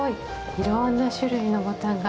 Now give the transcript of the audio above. いろんな種類のぼたんが。